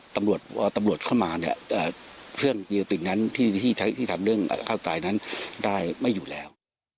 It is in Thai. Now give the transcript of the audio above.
ตำรวจเข้ามาเพื่องเกียวตินนั้นที่ทำเรื่องข้าวตายนั้นได้ไม่อยู่แล้ว